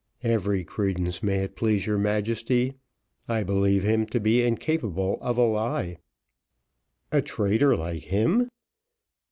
"Every credence, may it please your Majesty. I believe him to be incapable of a lie." "A traitor, like him!"